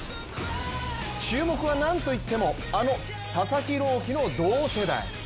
注目はなんといっても、あの、佐々木朗希の同世代。